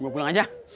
gua pulang aja